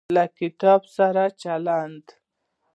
له کتاب سره چلند